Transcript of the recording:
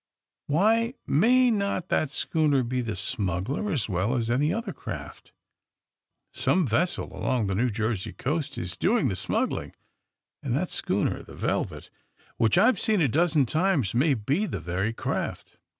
Why may not that schooner be the smuggler as well as any other craft ? Some vessel along the New Jersey coast is doing the smuggling, and that schooner, the 'Velvet,' which I've seen a dozen times may be the very craft!